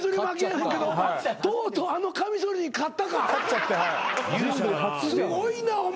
すごいなお前。